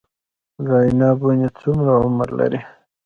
د عناب ونې څومره عمر لري؟